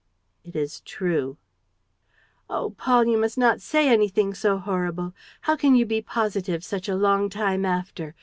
"It is true." "Oh, Paul, you must not say anything so horrible! How can you be positive, such a long time after?